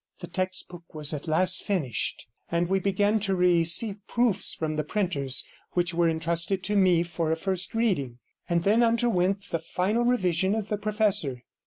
The textbook was at last finished, and we began to receive proofs from the printers, which were entrusted to me for a first reading, and then underwent the final revision of the professor.